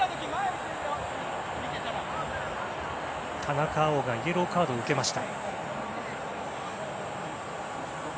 田中碧がイエローカードを受けました。